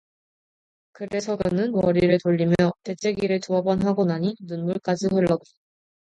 그래서 그는 머리를 돌리며 재채기를 두어 번하고 나니 눈물까지 흘렀다.